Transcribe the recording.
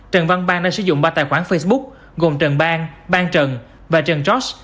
trần văn bang đã sử dụng ba tài khoản facebook gồm trần bang bang trần và trần josh